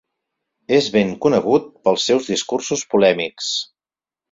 És ben conegut pels seus discursos polèmics.